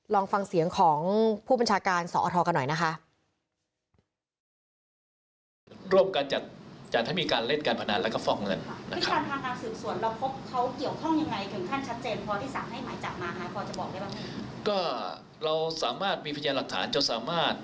ลองฟังเสียงของผู้บัญชาการสอทกันหน่อยนะคะ